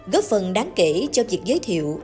góp phần đáng kể cho việc giới thiệu